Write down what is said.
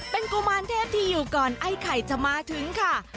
เป็นกุมารเทพที่อยู่ก่อนไอ้ไข่จะมาถึงค่ะ